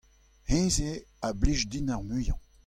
hennezh eo a blij din ar muiañ.